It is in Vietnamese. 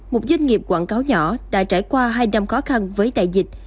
một doanh nghiệp quảng cáo nhỏ đã trải qua hai năm khó khăn với đại dịch